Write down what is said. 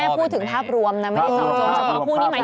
อันนี้แม่พูดถึงภาพรวมนะไม่ได้สอนโจมตร์